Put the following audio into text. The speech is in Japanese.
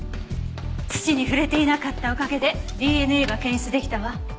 土に触れていなかったおかげでＤＮＡが検出出来たわ。